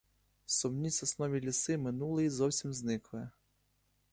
Сумні соснові ліси минули й зовсім зникли.